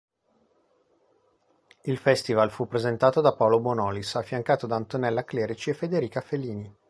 Il Festival fu presentato da Paolo Bonolis, affiancato da Antonella Clerici e Federica Felini.